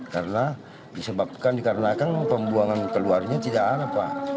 karena disebabkan dikarenakan pembuangan keluarnya tidak ada